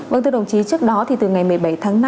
vâng thưa đồng chí trước đó thì từ ngày một mươi bảy tháng năm